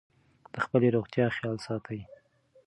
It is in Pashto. د خپلې روغتیا خیال ساتئ.